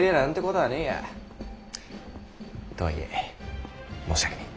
とはいえ申し訳ねぇ。